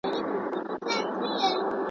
آیا درد تر ارامۍ سخت دی؟